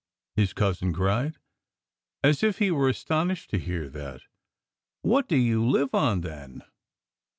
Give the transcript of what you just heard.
his cousin cried, as if he were astonished to hear that. "What do you live on, then?"